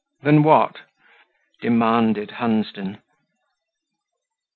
"Than what?" demanded Hunsden.